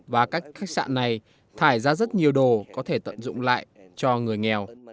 và các khách sạn này thải ra rất nhiều đồ có thể tận dụng lại cho người nghèo